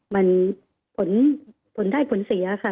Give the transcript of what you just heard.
มันผลได้ผลเสียค่ะ